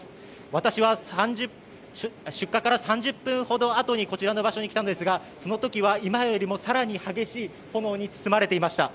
私は出火から３０分ほどあとにこちらの場所に来たんですがその時は今よりも更に激しい炎に包まれていました。